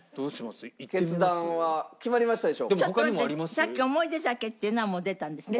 さっき『おもいで酒』っていうのはもう出たんですね？